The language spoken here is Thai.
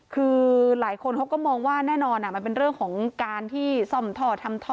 คือหลายคนเขาก็มองว่าแน่นอนมันเป็นเรื่องของการที่ซ่อมท่อทำท่อ